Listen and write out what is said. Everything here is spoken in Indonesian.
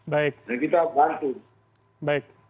dan kita bantu